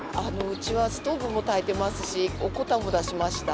うちはストーブもたいてますし、おこたも出しました。